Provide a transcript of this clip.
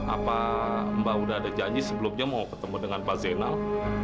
apa mbak udah ada janji sebelumnya mau ketemu dengan pak zainal